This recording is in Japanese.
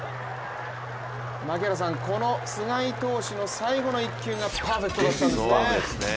この菅井投手の最後の一球がパーフェクトだったんですよね。